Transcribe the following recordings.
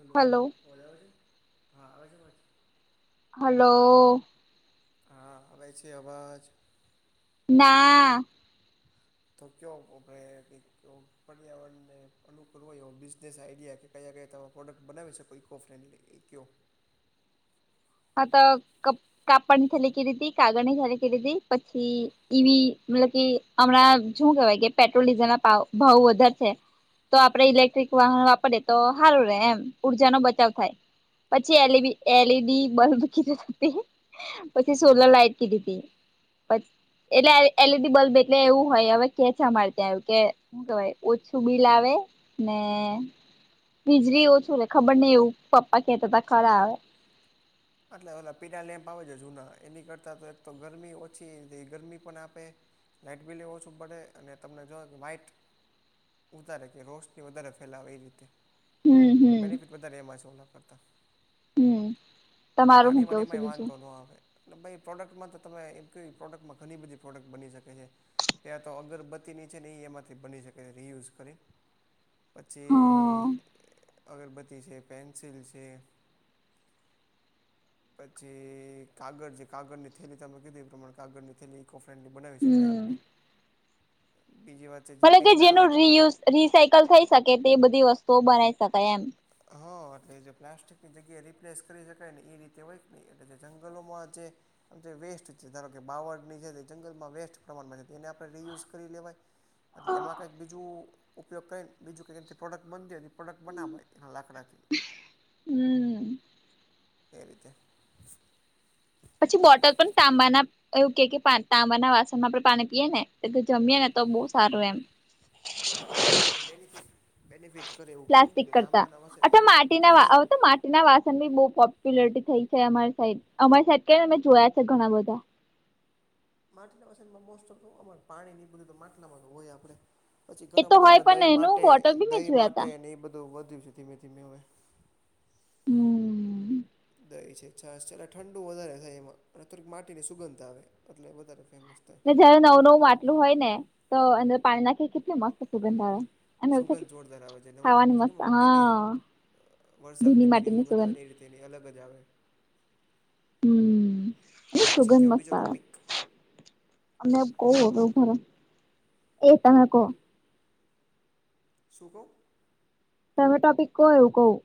Hello ઓલા આવે છે હા આવે છે વા છે. હલો- - હા આવે છે આવાજ? ના. તો કયો આપે ક પર્યાવરણને અનુકરવ એવ બિઝનેસ આઈડિયા કે- - કયા ગકયા પ્રોડક્ટ બનાવી શકો ઇકો ફ્રેન્ડલી ઇ કેવો? હા તો ક કાપડ ની થેકીીધી કાગળ ની થેલેકીધી પછી- - એવી મતલબ કે હમણાં શું કેહેવાય કે પેટ્રોલ ડીઝલ ના ભાવ વધારે છે. તો આપડે ઇલેક્ટ્રિક વાહન વાપરીએ તો સારું ર એમ ઉઊર્જા નો બચાવ થાય. પછી એલઈડી એલઈડી- - બલ્બ કીધું પછી સોલર લાઈટ કીધી હતી પી- - એટલે એલઈડી બલ્બ એટલે એવું હોય હવે કે છે મળરે ત્યાં આવ કે- - શું કેવાય ઓછું બિલ આવે ને- - વીજળી ઓછું લે ખબર નહ એવું પપ્પા કતા હતા ખરા અવે- - એટલે એ પીડા લેમ્પ આવે છે જુના એની કરતાં તો એક તો ગરમી ઓછી ગરમી પણ આપે- - લાઈઇટ બિલ એ ઓછું પડે અને તમને જો કે વાાઈટ- - વધારે કે રોશની વધારે ફેલાવે એ રીતે હમ હમ બેનિફિટ વધારે એમાં છે એના કરતાં- - હમ્મ. એ પાણી મનેમાં વાંધો ન આવે. અને ભાઈ પ્રોડક્ટમાં તો તમે એમ કહ્યું એ પ્રોડક્ટમાં ઘણી બધી પ્રોડક્ટ બની શકે છે. ત્યાં તો અગરબત્તીની છે ને એમાંથી બની શકે રિયુઝ કરી. હા પછી અગરબત્તી છે પેન્સિલ છે. પછી કાગળ જે કાગળની થેલી તમે કીધી એ પ્રમાણે કાગળની થેલી ઇકો ફ્રેન્ડલી બનાવી શકાય હમ આપણે. બીજી વાત- - મતલબ કે જેનું રીયુઝ રીસાયકલ થઈ શકે તે બધી વસ્તુઓ બનાવી શકાય એમ. હા એટલે જે પ્લાસ્ટિકની જગ્યાએ રિપ્લેસ કરી શકાય ને એ રીતે હોયક નહીં એટલે જે જંગલોમાં જે- - આ જે વેસ્ટ છે ધારો કે બાવરની છે જંગલમાં વેસ્ટ પ્રમાણમાં છે એને આપણે રિયુઝ કરી લેવાય- - એટલે એમાં કંઈક બીજું ઉપયોગ કરીને બીજું કઈક પ્રોડક્ટ બનતી હોઈ અને પ્રોડક્ટ બનાવાય. લાકડાથી હમ એ રીતે. પછી બોટલ પણ તાંબાના- - એવું કે તાંબા ના વાસણમાં આપણે પાણી પીએ ને જમીએે ને તો બહુ સારું એમ. હા એટલે બેનિફિટ બેનિફિટ કરે એવું કે પ્લાસ્ટિક કે તાંબાના વશે એનું પાણી- - ના વાસન બી બહુ પોપ્યુલરટી થઈ છે અમારી સાઈડ અમારી સાઈડ કને અમે જોયા છે ઘણા બધા- - માટલા વસનમાં મોસ્ટ ઓફ અમા પાણી બધું તો માટલામાં તો હોય આપડે. પછી એ ઘણા તો બધા હોય હવે પણ દહીં એનું માટે બોટલ બી મેં દહીં જોયા તા માટે અને એ બધું વધ્યું છે ધીમે ધીમે હવે. હમ્મ. દય છે છાસ છે ઠંડુ વધારે થાય એમાં થોડીક માટી ની સુગંધ આવે એટલે વધારે- - જયારે નવું નવું માટલું હોય ને તો અંદર પાણી નાખી કેટલી મસ્ત સુગંધ આવે. અને એવું સુગંધ થાય જોરદાર આવે છે અનેને હું બ ખાવાની કે મસ્ત મતલ પીની હા ભીની વરસાદની પીની માટીની સુગંધ આવે ને એ રીતે. તેની અલગ જ આવે. હમ્મ તો પછી સુગંધ કયો મસ્ત બીજો આવે. ટોપિક અને [unintelligible] એ તમે કહો. શુ‌ કો? ફ ટોપિક ક કો એવું કવું.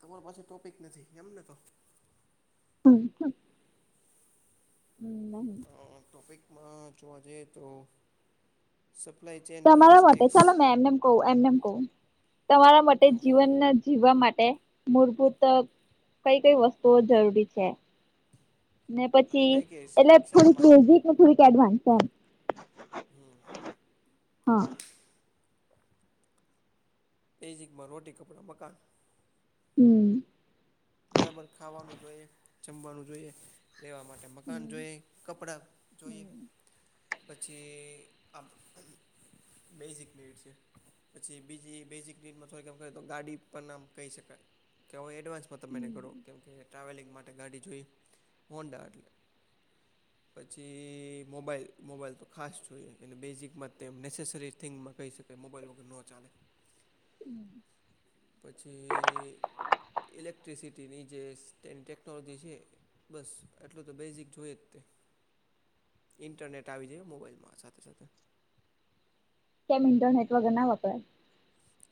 તમારો પાસે ટોપિક નથી એમને તો- [unintelligible] [inaudible] ટોપિકમાં જોવા જઈએ તો. સપ્લાય છે. તમારા માટે ચાલો મેં એમનેમ કહું એમનેમ કહું તમારા માટે કયો જીવન જીવવા માટે મૂળભૂત કઈ કઈ વસ્તુઓ જરૂરી છે. ને એટલે પછી કઈ કઈ એટલે શેના થોડીક માટે બેઝિક ને થોડીક એડવાન્સ એમ. હમ હ એજમાં રોટી કપડાં મકાન હમ્મ બરાબર ખાવાનું જોઈએ જમવાનું જોઈએ રહેેવા માટે હમ મકાન જોઈ કપડા જોઈએ હમ પછી. બેઝિક નિડ છે. પછી બીજી બેસિક નીડ માં થોડક તો ગાડી પણ નામ કહી શકાય કે એડવાન્સ છ તમેને ઘણો કેમકે ટ્રાવેલિંગ માટે ગાડી જોઈ હોંડા એટલે. [inaudible] પછી મોબાઈલ મોબાઈલ તો ખાસ જોઈએ એ બેઝિકમાં તેમ નેસેસરી થિંગમાં કહી શક એ મોબાઈલ વગર નનો ચાલે. [inaudible] પછી ઇલેક્ટ્રિસિટીની જે ટેકનોલોજી છે. બસ એટલું તો બેઝિક જોય જ ને ઇન્ટરનેટ આવી જ મોબાઈલમાં સાથે સાથે કેમ ઇન્ટરનેટ વગર ના વાપરા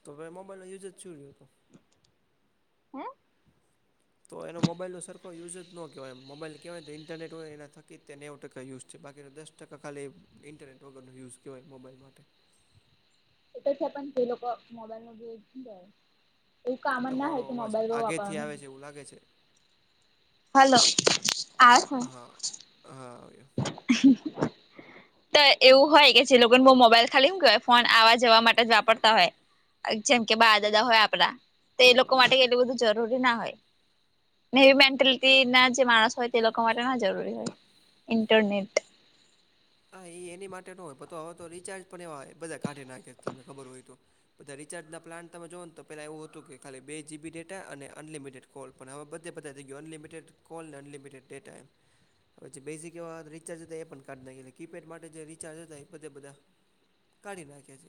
તો હવે મોબાઈલ નો યુઝ જ શુ રહ્યો [inaudible] તો એનો મોબાઈલનો સરખો યુઝ જ ન કહેવાય એમ મોબાઈલ કેહેવાય તો ઇન્ટરનેટ હોય એના થકી જ તે નેવ ટકા યુઝ છે બાકીનો દસ ટકાકાાલે ઇન્ટરનેટ વગરનો યુઝ કહેવાય મોબાઈલ માટે. એ તો છે પણ એ લોકો મોબાઈલ નો એવું કામન ના હ કે મોબાઈલ ભ વાપરનું. ઓલા ગે છે. હાલો આ હ હા [inaudible] [inaudible] તો એવું હોય કે જે લોકોને બહ મોબાઈલ ખાલી ક હોય ફોન આવા જવા માટે જ વાપરતા હોય. જેમ કે બાર દાદા હોય આપડા તો એ લોકો માટે એટલું બધું જરૂરી ના હોય. નેવી મેન્ટેલિટી ના જે માણસ હોય તે લોકો માટે ના જરૂરી હોય. ઇન્ટરનેટ. હા એ એની માટે ન હોય હવે તો રિચાર્જ પણ એવાય બધા કાઢી નાખે તમને ખબર હોય તો બધા રિચાર્જના પ્લાનમે જોઓને પહેલા એવું હતું કે ખાલી બે જીબી ડેટા અને અનલિમિટેડ. કોલ પણ હવે બધે બધા થ ગયો અનલિમિટેડ કોલને અનલિમિટેડ ડેટા એમ. પછી બેસિક એવા રિચાર્જ એ પણ કઢ ના કીપેડ માટે જે રિચાર્જ હતા એ બધે બધા કાઢી નાખ્યા છે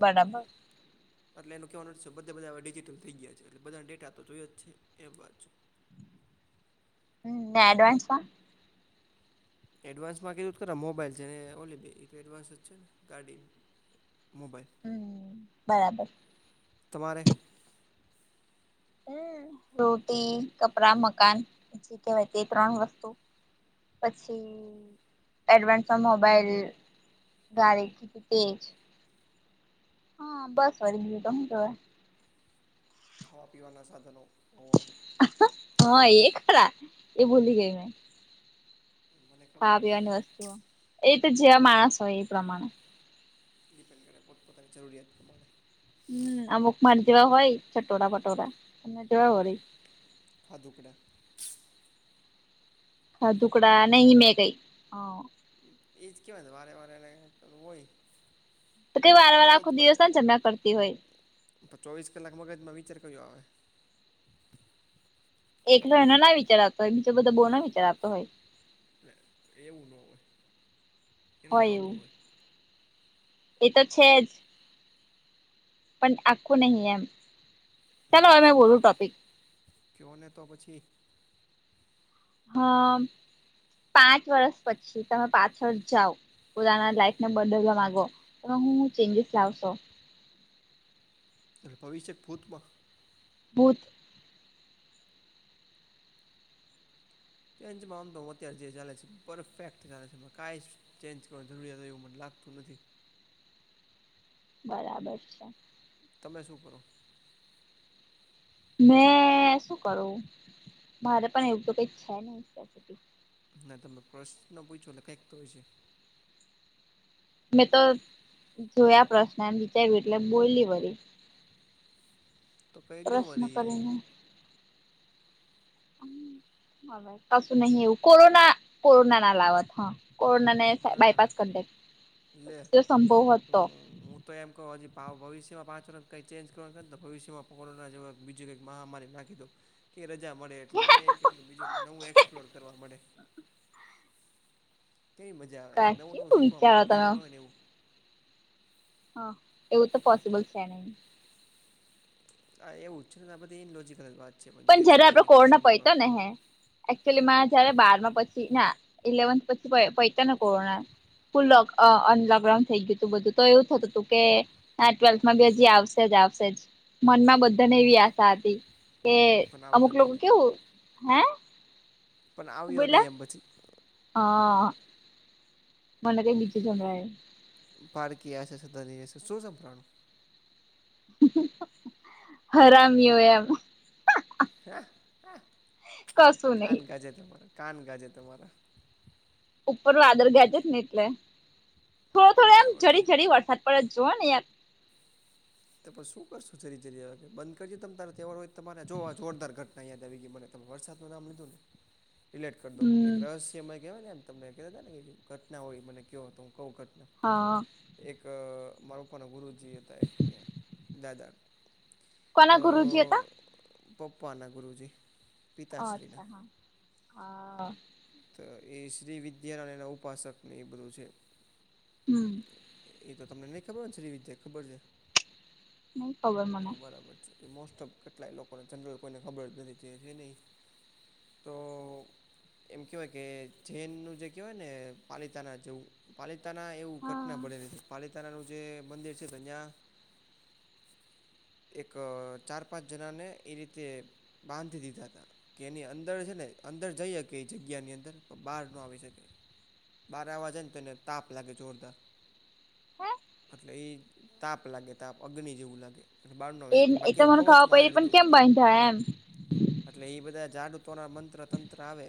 બરાબર. એટલે એનું કહેવાનું છે બધા બધા ડિજિટલ થઈ ગયા છે એટલે બધાના ડેટા તો જોયો જ છે એ વાત છે ને એડવાન્સમાં એડવાન્સ માં કીધું તો ખરા મોબાઈલ છે ને ઓલીબે તો એડવાન્સ જ છે ને ગાડી મોબાઈલ હમ્મ બરાબર તમારે રોટી કપડા મકાન પછી કહેવાય તે ત્રણ વસ્તુ પછી એડવાન્સમાં મોબાઈલ દ્વારે તેજ હા બસ વળી બીજું હુ કહેવાય ખાવા પીવાના સાધનો ઓવન હા ગેસ એ ખરા એ ભૂલી ગઈ મે મને ખબર ખાવા હોય પણ પીવાની વસ્તુઓ એ તો જેવા માણસ હોય એ પ્રમાણે. ડિપેન્ડ કરે પોતપોતાની જરૂરિયાત પ્રમાણે. હમ્મ અમુક માર જેવા હોય ચટોરા પટોરા તેવા હો ખાધું કડા. હા ટુકડા નહીં મેલી. એજ કેમય વારે વાને વહી તો કઈ વાર વાર આખો દિવસ ઝગડા કરતી હોય. તો ચોવીસ કલાક મગજમાં વિચાર કર્યો આવે. એકલો એનો ના વિચાર આવતો હોય બીજો બધા બહુ ના વિચાર આવતો હોય. એવું ના હોય. એનો જ હોય આવતો એવું એ તો છે જ. પણ આખવું નહી એમ. ચાલો હમ્મ હવે મેં બોલું સમજી ગયો ટોપિક કયો ને તો પછી. હા પાંચ વર્ષ પછી તમે પાછળ જાવ પોતાના લાઈફને બદલવા માગો તો હું ચેન્જીસ લાવશો એટલે ભવિષ્ય ભૂત. ભૂત. ચેન્જમાં આમ તો હું અત્યારે જે ચાલે છે પરફેક્ટ ચાલે છે કાઈ ચેન્જ કરવાની જરૂરિયાત હોય એવું મને લાગતું નથી બરાબર છે. તમે શું કરો? મેં શું કરું મારે પણ એવું તો કઈ છે નહી. ના તમે પ્રશ્ન પૂછો કઈક તો હોય છે. મેં તો જોયા પ્રશ્નને વિચાર્યું એટલે બોલી વળી કઈ દીયો પ્રશ્ન વરી. કરીને કશુ નહી એવું કોરોના કોરોના ના લાવત કોરોના ને ના ના બાયપાસ કરદે. લે હમ્મ હું તો એમ કવ હજી ભાવ ભવિષ્યમાં પાચ વર્ષ કઈ ચેન્જ કરવા તો ભવિષ્યમાં કોરોના જે બીજું કઈક મહામારી ના. કી કે રજા મળે એટલેને કેટલું બીજું નવું એક્સપ્લોર કરવા મળે. કેવી મજા આવે નવું નવું કેવું શીખવા વિચારો મળે તમે કર્યું ન હોય ને એવું. હા એવું તો પોસિબલ છે નહી. આ એવું જ છે ને આ બધી ઇનલોજીકલ વાત છે જે પણ છે જયારે આપડે એ કોરોના એકચ્યુઅલીમાં પઈતો ને હે. એકચુલી મા જયારે બારમાં પછી ના ઇલેવન્થ પછી પૈતો ને કોરોના. ફુલ લોક અનલોકડાઉન થઈ ગયું તું બધું તો એવું થતું હતું કે ટ્વેલ્થ બી હજી આવશે જ આવશે જ મન માં બધાને એવી આશા હતી કે પણ અમુક આવ્યો નહીં લોકો કેવું હે. પણ આવ્યો નહી એમ પછી હા. મને કઈ નીચે [unintelligible] પાારકીશે છેધાદી શુંર પ્રાણું હરામિયો એમ. કશું [unintelligible] કાન નહી ગાજે તમારા કાન ગાજે તમારા ઉપર વાદળ ગાયજે ને એટલે થોડો થોડો એમ બરાબર છે જડી જડી વરસાદ પડે જુઓને યાર. તો પણ શું કરશું જરી જરી આવે બંધ કરી દયો તમ તારે તેવર હોય તમારે જોવો આ જોરદાર ઘટના યાદ આવી ગઈ મને તમે વરસાદનું નામ લીધું ને. [inaudible] ડિલેટ કર દવ એક હમ રહસ્ય એમ કહેવાય, ને એમ તમને કહેતા ને કે ઘટના હોય મને કહો તો હું કહું ઘટના હા. એક મારા પપ્પા ના ગુરુજી હતા, એક અહીંયા દાદા. કોના તો ગુરુજી હતા,? પપ્પાના ગુરુજી. પિતાશ્રીના અચ્છા, હા, હ. તો એ શ્રી વિદ્યાનાયના ઉપાસકને એ બધું છે. હમ એ તો તમને નહીં ખબર હોયને, શ્રી વિદ્યા ખબર છે. નહી ખબર મને હા, બરાબર છે. એ મોસ્ટ ઓફ કેટલાય લોકોને જનરલ કોઈને ખબર જ નથી, જે છે ને ઈ તો. એમ કહેવાય કે, જૈનનું જે કહેવાય ને, પાલીતાના જેવું. પાલીતાણા એવું હા ઘટના બનેલી હતી, પાલીતાણાનું જે મંદિર છે, તો ન્યાય. [unintelligible] એક ચાર-પાંચ જણાને, એ રીતે બાંધી દીધા હતા. કે એની અંદર છે ને, અંદર જઈ હકીકત કે, એ જગ્યાની અંદર પણ બહાર ન આવી શકે. બાર આવવા જાયને, તો એને તાપ લાગે, જોરદાર. હે. એટલે એ તાપ લાગે, તાપ અગ્નિ જેવું લાગે. બાર નો એ આવે એ બાકી તો એવું મને કવોચ ખબર મારે પડી પણ કેમ [unintelligible] એ બાંધ્યા એમ એટલે એ બધા જાડૂતોનાં મંત્ર તંત્ર આવે.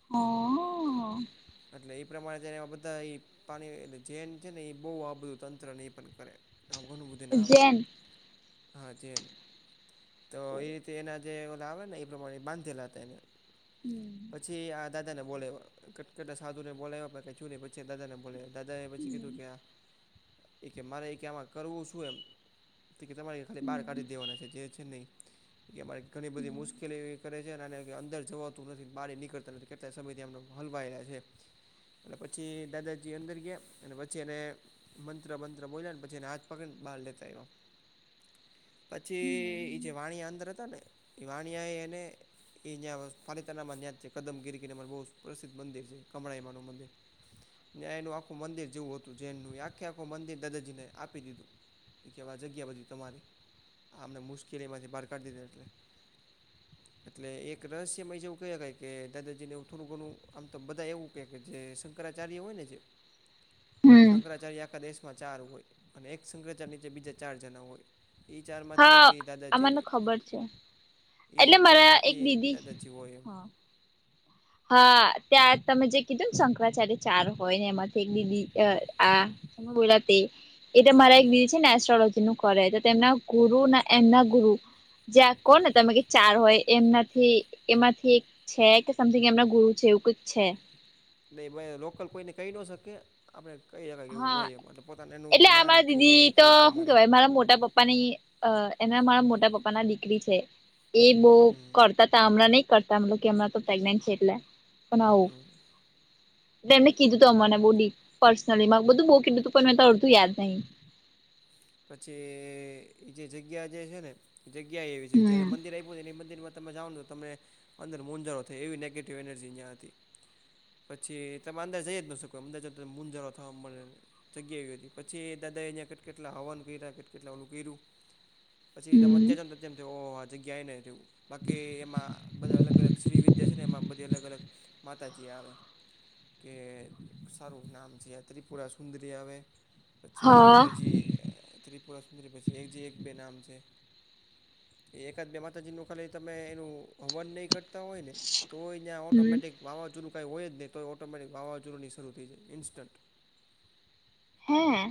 [unintelligible] એટલે એ પ્રમાણે જને એ બધા એ. જેન છે ને એ, બવ આ બધું તંત્ર ને પણ કરે, આવું ઘણું બધું. જૈન હા, જેન તો એ રીતે એના જે ઓલા આવેને. પ્રમાણે બાંધેલા હતા, એને [unintelligible] પછી આ દાદાને બોલ્યા, કટકટતા સાધુ ને બોલાવ્યા પણ કાંઈ થયું નહી, પછી દાદાને બોલ્યો, દાદા એ પછી કીધું કે આ. [unintelligible] એ કે, મારે એ કે, આમાં કરવું શું એમ. તે કે તમારે ખાલી બહાર હમ કાઢી દેવાના છે, જે છે ને, ઈ એમારે ઘણી બધી હમ મુશ્કેલી એવી કરે છે, અને અંદર જવાતું નથી, બાર નીકળતા નથી, કેટલા સમયથી હલવાયેલા છે. એટલે પછી દાદાજી અંદર ગયા, અને પછી એને મંત્ર બંત્ર બોલ્યા ને, પછી એને હાથ પકડીને, બહાર લેતા આઇવા. [unintelligible] પછી એ હમ જે વાણિયા અંદર હતા, ને એ વાણિયા એ એને એ. પાલીતાનામાં યાજ છે, કદમગીરી ગિરી માં બહુ પ્રસિદ્ધ મંદિર છે, કમળાઈમાં નું મંદિર. ન્યા એનું આખું મંદિર જેવું હતું, જૈન નું આખે આખું મંદિર દાદાજીને આપી દીધું. એ કે હવે આ જગ્યા બધી તમારી આ અમને મુશ્કેલીમાંથી બહાર કાઢી દીધો એટલે. એટલે એક રસ. જેવું ક કે દાદાજી ને થોડુ, આમ તો બધા એવું કે કે જે શંકરાચાર્ય હોય ને જે. [unintelligible] હમ શંકરાચાર્ય આખા દેશમાં ચાર હોય, અને એક શંકરાચાર્ય નીચે બીજા ચાર જણા હોય. એ ચારમાંતીએ હા કે આ દાદાજી. મને ખબર છે ઈ એટલે એક ચાર મારા એક માંથી દીદી દાદાજી હોય. એમ [unintelligible] હા, ત્યાં તમે જે કીધું ને, શંકરાચાર્ય ચાર હોય ને, એમાંથી એક દી. આ બોલાતી, એ તો મારા એક હમ દીદી છે ને, એસ્ટ્રોલોજી નું કરે તો તેમના. ગુરુ ના, એના ગુરુ. જ્યાં કોહો ને, તમે કે ચાર હોય, એમનાથી એમાંથી. છે કે, સમથિંગ એમના ગુરુ છે, એવું કે જ છે. નહીં લોકલ કોઈને કહી ન શકે. આપણે કહી શકાય કે એવું હા, હોય એમ એટલે પોતાને એનું એટલે જ્ઞાન આરા એટલું હોય દીદી કે તો એ શું પ્રમાણે કેવાય? મારા મોટા પપ્પા ની. અ એના મારા મોટા પપ્પા ના દીકરી છે, એ બહુ હમ કરતા શામળા નહી કરતા, મ કે હમણાં તો પ્રેગ્નેન્ટ છે એટલે, પણ આવું. હમ તેમને કીધું તું અમને બહુ ડી, પર્સનલી બહુ બધું બો કીધુંતું, પણ મેં અડધું યાદ નહીં. પછી એ જે જગ્યા જે છે ને, એ જગ્યા એવી છે, જ્યારે હમ મંદિર આપ્યું એ ને મંદિરમાં તમે જાઓને તો તમને અંદર મૂંઝારો થાય, એવી નેગેટિવ એનર્જી અહીંયા હતી. પછી તમે અંદર જઈયેન તો શકો અંદર જતો મૂનઝારો થવા મળેને. જગ્યા એવી હતી, પછી દાદા એ અહીંયા કટકટ કેટલા હવાન કર્યા, કેટ કેટલા ઓલું કર્યું, પછી તમ હમ વચ્ચે જાઓ ન તો જેમ તે ઓ જગ્યાએ નહિ રહેવું, બાકી એમાં બધા અલગ અલગ સ્ત્રી વિદ્યા છેને, એમાં બધી અલગ અલગ માતાજી આવે. કે સારું નામ છે, યાત્રિપુરા સુંદરી આવે. હા પછી હજી, અ ત્રિપુરા સુદરી પછી હજી એક બે નામ છે. એ એકાદ બે માતાજીનું ખાલી તમે એનું હવન નહીં કરતા હોય ને. તોય ત્યાં હમ ઓટોમેટિક વાવાઝોડું કંઈ હોય જ નહી, તોય ઓટોમેટિક વાવાઝોડુંની શરૂ થઈ જાય, ઇન્સ્ટન્ટ. હે